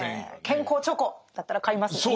「健康チョコ」だったら買いますもんね。